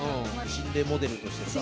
心霊モデルとしてさ。